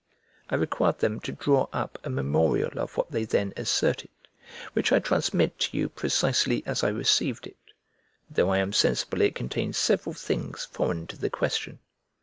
I required them to draw up a memorial of what they then asserted, which I transmit to you precisely as I received it; though I am sensible it contains several things foreign to the question.